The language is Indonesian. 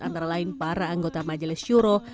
antara lain para anggota majelis syuroh